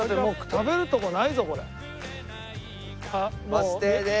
バス停です。